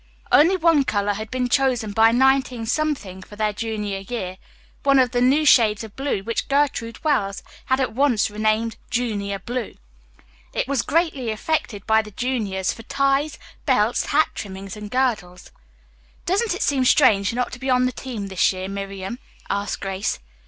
Only one color had been chosen by 19 for their junior year, one of the new shades of blue which Gertrude Wells had at once renamed "junior" blue. It was greatly affected by the juniors for ties, belts, hat trimmings and girdles. "Doesn't it seem strange not to be on the team this year, Miriam?" asked Grace.